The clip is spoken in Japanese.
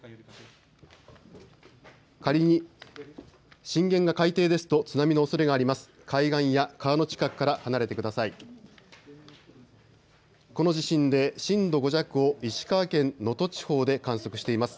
仮に震源が海底ですと津波のおそれがあります。